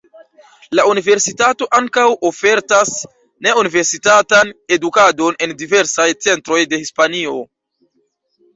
La universitato ankaŭ ofertas ne-universitatan edukadon en diversaj centroj de Hispanio.